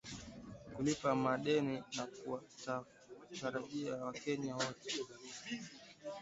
kulipa madeni na kuwatajirisha wakenya wote